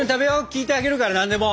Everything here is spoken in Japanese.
聞いてあげるから何でも。